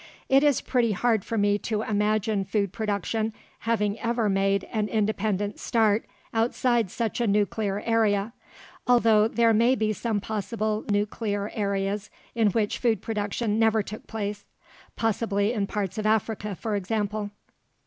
It is pretty hard for me to imagine food production having ever made an independent start outside such a nuclear area, although there may be some possible nuclear areas in which food production never took place (possibly in parts of Africa, for example).